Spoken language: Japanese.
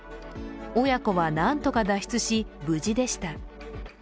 親子はなんとか脱出し無事でした。